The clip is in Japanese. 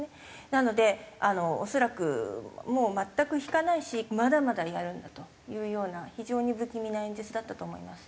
なので恐らくもう全く引かないしまだまだやるんだというような非常に不気味な演説だったと思います。